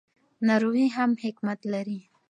ناروغي هم حکمت لري.